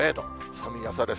寒い朝です。